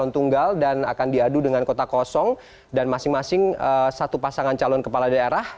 calon tunggal dan akan diadu dengan kota kosong dan masing masing satu pasangan calon kepala daerah